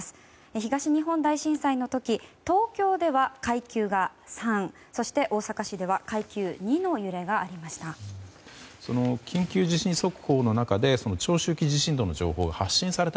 東日本大震災の時東京では、階級が３そして、大阪市では階級２の揺れがありました。